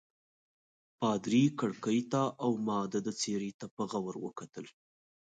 پادري کړکۍ ته او ما د ده څېرې ته په غور وکتل.